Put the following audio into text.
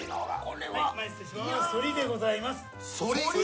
ソリでございます。